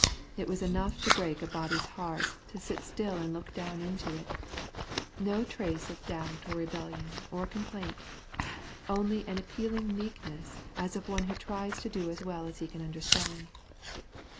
It was enough to break a body's heart to sit still and look down into it. No trace of doubt or rebellion or complaint, only an appealing meekness as of one who tries to do as well as he can understand.